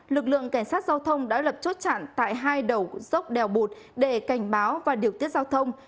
lực lượng cảnh sát giao thông đã lập chốt chặn tại hai đầu dốc đèo bụt để cảnh báo và điều tiết giao thông